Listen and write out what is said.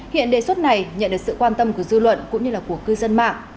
hiện đề xuất này nhận được sự quan tâm của dư luận cũng như là của cư dân mạng